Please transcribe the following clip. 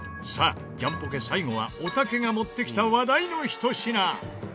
さあジャンポケ最後はおたけが持ってきた話題のひと品。